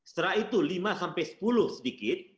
setelah itu lima sampai sepuluh sedikit